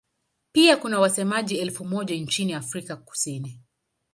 Pia kuna wasemaji elfu moja nchini Afrika Kusini.